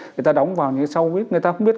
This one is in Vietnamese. người ta đóng vào nhưng sau đó người ta không biết